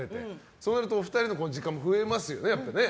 そうなるとお二人の時間も増えますよね。